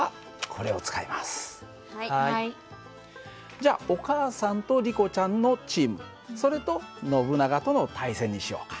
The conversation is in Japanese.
じゃあお母さんとリコちゃんのチームそれとノブナガとの対戦にしようか。